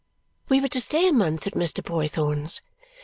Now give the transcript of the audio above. We were to stay a month at Mr. Boythorn's.